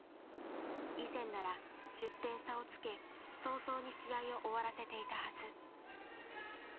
以前なら１０点差をつけ早々に試合を終わらせていたはず。